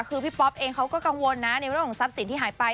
คือพี่ป๊อปเองเขาก็กังวลนะในเรื่องของทรัพย์สินที่หายไป